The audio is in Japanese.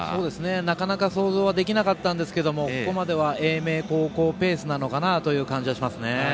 なかなか想像はできなかったんですがここまでは英明高校ペースかなという感じはしますね。